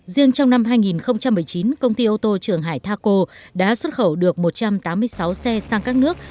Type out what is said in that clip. riêng trong năm hai nghìn một mươi chín công ty ô tô trường hải taco đã xuất khẩu được một trăm tám mươi sáu xe sang các nước